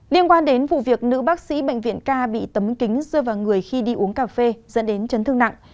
liên quan đến vụ việc nữ bác sĩ bệnh viện ca bị tấm kính rơi vào người khi đi uống cà phê dẫn đến chấn thương nặng